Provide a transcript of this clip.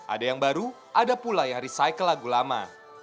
ada yang baru ada pula yang recycle lagu lama